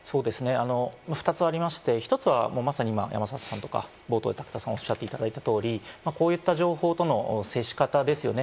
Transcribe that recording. ２つありまして、１つは、まさに今、山里さんがおっしゃったり、冒頭、武田さんがおっしゃった通り、こういった情報との接し方ですよね。